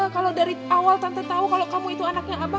kalau dari awal tante tahu kalau kamu itu anaknya abang